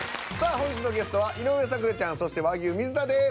本日のゲストは井上咲楽ちゃんそして和牛水田です。